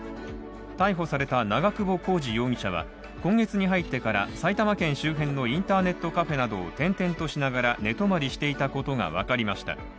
逮捕された長久保浩二容疑者は、今月に入ってから埼玉県周辺のインターネットカフェなどを転々としながら寝泊りしていたことがわかりました。